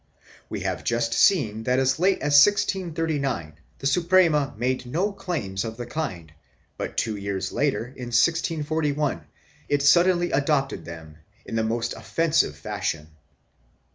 We have just seen that as late as 1639 the Suprema made no claims of the kind but two years later, in 1641, it suddenly adopted them in the most offensive fashion.